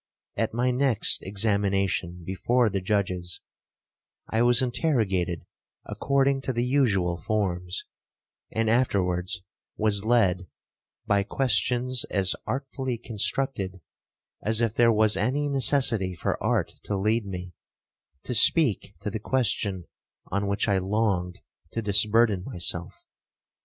At my next examination before the judges, I was interrogated according to the usual forms, and afterwards was led, by questions as artfully constructed, as if there was any necessity for art to lead me, to speak to the question on which I longed to disburden myself.